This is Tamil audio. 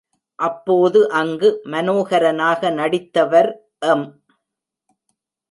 அப்போது அங்கு மனோஹரனாக நடித்தவர் எம்.